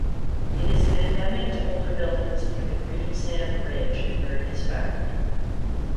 It is endemic to older buildings near the Greensand Ridge where it is found.